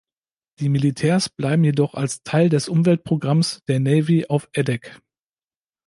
Die Militärs bleiben jedoch als Teil des Umwelt-Programms der Navy auf Adak.